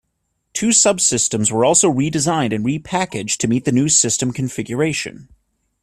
Two subsystems were also re-designed and re-packaged to meet the new system configuration.